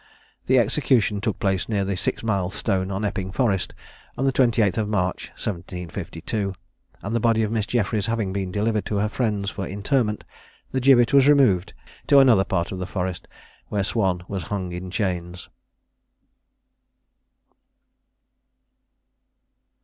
The execution took place near the six mile stone on Epping Forest on the 28th of March 1752; and the body of Miss Jeffries having been delivered to her friends for interment, the gibbet was removed to another part of the forest, where Swan was hung in chains.